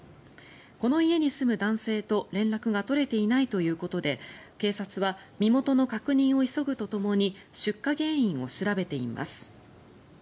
この家に住む男性と連絡が取れていないということで警察は身元の確認を急ぐとともに出火原因を調べています。